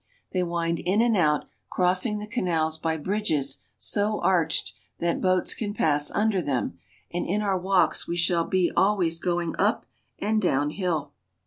They wind in and out, crossing the canals by bridges so arched that boats can pass under them, and in our walks we shall be always going up and down hill.